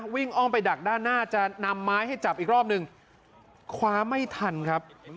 อ้อมไปดักด้านหน้าจะนำไม้ให้จับอีกรอบหนึ่งคว้าไม่ทันครับ